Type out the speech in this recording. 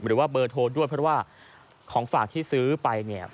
หรือว่าเบอร์โทรด้วยเพราะว่าของฝากที่ซื้อไปเนี่ย